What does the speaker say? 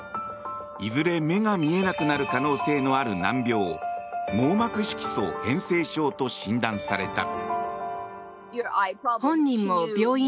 いずれ目が見えなくなる可能性のある難病網膜色素変性症と診断された。